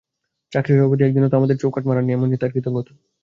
চাকরি হয়ে অবধি একদিনও তো আমাদের চৌকাঠ মাড়ান নি, এমনি তাঁর কৃতজ্ঞতা!